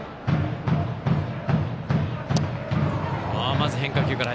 まず変化球から。